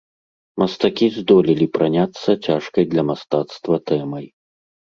Мастакі здолелі праняцца цяжкай для мастацтва тэмай.